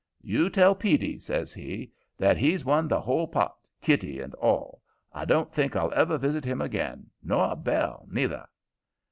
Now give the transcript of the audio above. "You tell Petey," says he, "that he's won the whole pot, kitty and all. I don't think I'll visit him again, nor Belle, neither."